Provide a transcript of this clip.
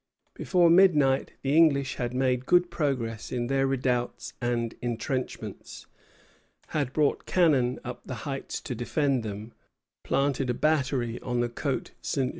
Before midnight the English had made good progress in their redoubts and intrenchments, had brought cannon up the heights to defend them, planted a battery on the Côte Ste.